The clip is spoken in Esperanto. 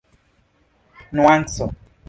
nuanco